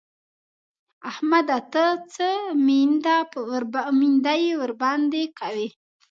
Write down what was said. احمده! ته څه مينده يي ورباندې کوې؟!